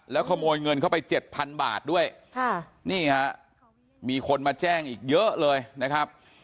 แล้วขโมยเงินเข้าไปเจ็ดพันบาทด้วยค่ะนี่ฮะมีคนมาแจ้งอีกเยอะเลยนะครับ